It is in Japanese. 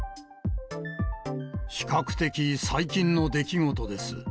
比較的、最近の出来事です。